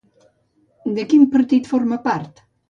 De quin partit forma part?